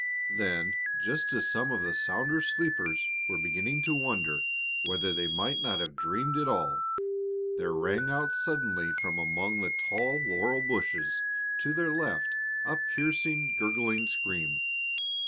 Then, just as some of the sounder sleepers were beginning to wonder whether they might not have dreamed it all, there rang out suddenly from among the tall laurel bushes to their left a piercing, gurgling scream.